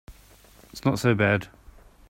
It's not so bad.